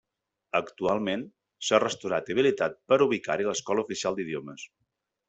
Actualment, s'ha restaurat i habilitat per ubicar-hi l'Escola Oficial d'Idiomes.